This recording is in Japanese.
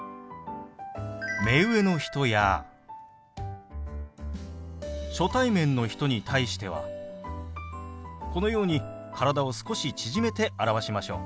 目上の人や初対面の人に対してはこのように体を少し縮めて表しましょう。